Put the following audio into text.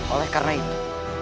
oleh karena itu